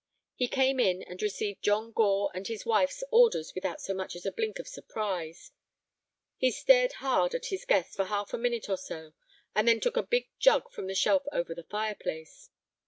He came in, and received John Gore and his wife's orders without so much as a blink of surprise. He stared hard at his guest for half a minute or so, and then took a big jug from a shelf over the fireplace.